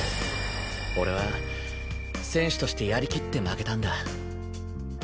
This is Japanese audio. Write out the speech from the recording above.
俺は選手としてやりきって負けたんだ。